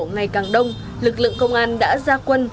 ngày càng đông lực lượng công an đã ra quân